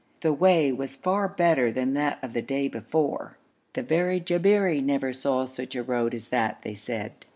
The way was far better than that of the day before; the very Jabberi never saw such a road as that, they said.